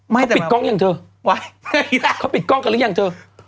ไม่แต่ว่าเขาปิดกล้องกันหรือยังเธอ